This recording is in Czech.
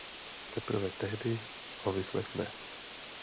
Teprve tehdy ho vyslechne.